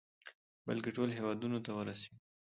بلكې ټول هېواد ته ورسېږي.